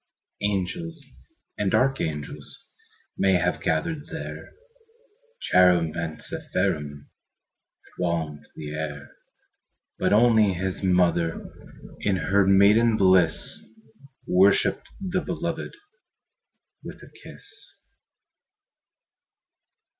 Angels and archangels May have gathered there, Cherubim and seraphim Thronged the air; But only His mother, In her maiden bliss, Worshipped the Beloved With a kiss.